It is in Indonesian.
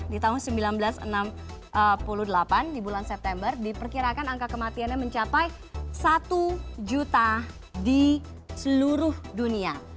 di tahun seribu sembilan ratus enam puluh delapan di bulan september diperkirakan angka kematiannya mencapai satu juta di seluruh dunia